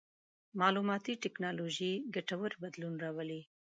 مالوماتي ټکنالوژي ګټور بدلون راولي.